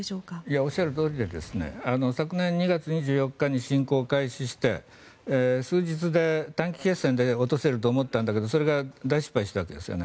おっしゃるとおりで昨年２月２４日に侵攻を開始して数日で短期決戦で落とせると思ったんだけどそれが大失敗したわけですよね。